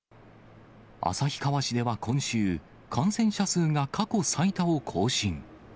旭川市では今週、感染者数が過去最多を更新。